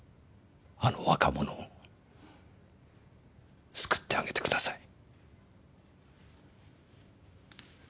あの若者を救ってあげてください。